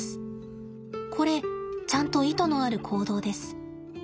これちゃんと意図のある行動です。